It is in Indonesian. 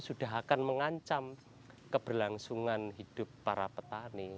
sudah akan mengancam keberlangsungan hidup para petani